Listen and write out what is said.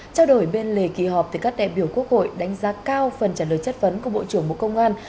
trao đổi bên lề kỳ họp các đại biểu quốc hội đánh giá cao phần trả lời chất vấn của bộ trưởng bộ công an